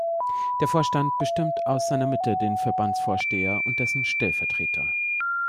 Der Vorstand bestimmt aus seiner Mitte den Verbandsvorsteher und dessen Stellvertreter.